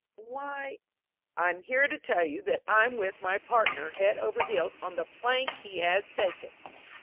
"Why " "I'm here to tell you that I'm with my partner head over heels on the plank he has taken."